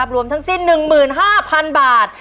รวมทั้งสิ้น๑๕๐๐๐บาท